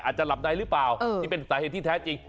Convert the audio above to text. อาจจะหลับในหรือเปล่าที่เป็นสาเหตุที่แท้จริง